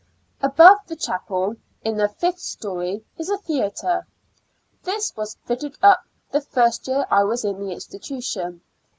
Above the chapel, in the fifth storj^, is a theater; this was fitted up the first year I was in the institution.